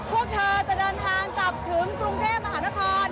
พวกเธอจะเดินทางกลับถึงกรุงเทพมหานคร